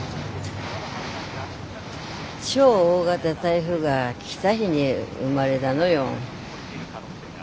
超大型台風が来た日に生まれだのよ。